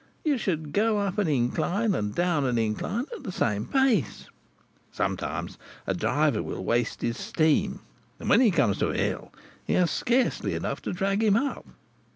You should go up a incline and down a incline at the same pace. Sometimes a driver will waste his steam, and when he comes to a hill he has scarcely enough to drag him up.